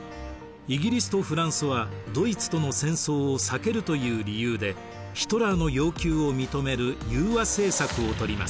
イギリスとフランスはドイツとの戦争を避けるという理由でヒトラーの要求を認める宥和政策をとります。